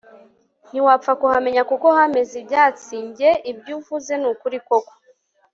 ntiwapfa kuhamenya kuko hameze ibyatsiNjye ibyuvuze nukuri koko